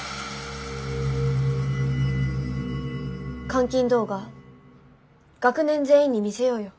監禁動画学年全員に見せようよ。